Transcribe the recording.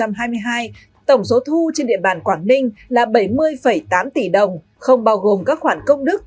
năm hai nghìn hai mươi hai tổng số thu trên địa bàn quảng ninh là bảy mươi tám tỷ đồng không bao gồm các khoản công đức